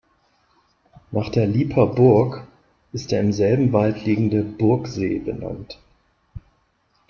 Nach der Lieper Burg ist der im selben Wald liegende „Burgsee“ benannt.